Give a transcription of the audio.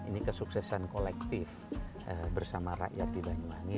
ini kesuksesan kolektif bersama rakyat di banyuwangi